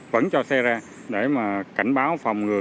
vẫn cho xe ra để mà cảnh báo phòng ngừa